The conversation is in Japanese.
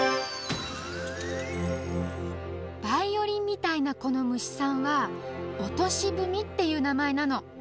バイオリンみたいなこのむしさんはオトシブミっていうなまえなの。